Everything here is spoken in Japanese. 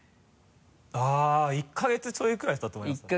あっ１か月ちょいぐらいだと思いますね。